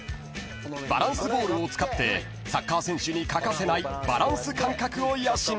［バランスボールを使ってサッカー選手に欠かせないバランス感覚を養う］